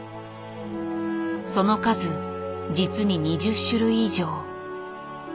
その数実に２０種類以上。